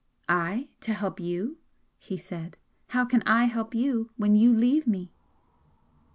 "I? To help you?" he said. "How can I help you when you leave me?"